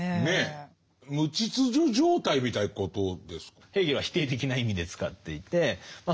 無秩序状態みたいなことですか？